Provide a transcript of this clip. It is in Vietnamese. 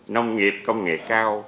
nông nghiệp công nghệ cao